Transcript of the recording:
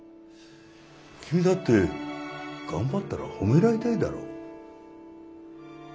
君だって頑張ったら褒められたいだろ？